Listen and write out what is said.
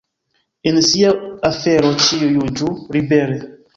En sia afero ĉiu juĝu libere.